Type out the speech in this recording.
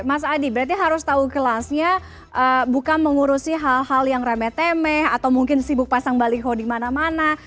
mas adi berarti harus tahu kelasnya bukan mengurusi hal hal yang remeh temeh atau mungkin sibuk pasang baliho di mana mana